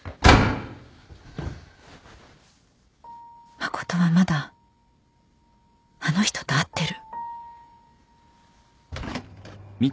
誠はまだあの人と会ってる・・